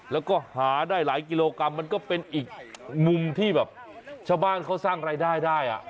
แล้วก็หาได้หลายกิโลกรัมมันก็เป็นอีกมุมที่แบบชาวบ้านเขาสร้างรายได้ได้